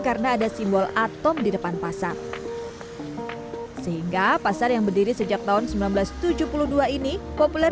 karena ada simbol atom di depan pasar sehingga pasar yang berdiri sejak tahun seribu sembilan ratus tujuh puluh dua ini populer